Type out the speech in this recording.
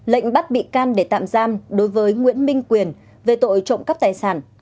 lệnh bắt bị can để tạm giam đối với nguyễn minh quyền về tội trộm cắp tài sản